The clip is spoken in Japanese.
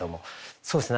そうですね